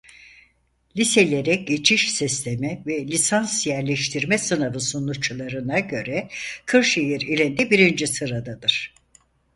Liselere Geçiş Sistemi ve Lisans Yerleştirme Sınavı sonuçlarına göre Kırşehir ilinde birinci sıradadır.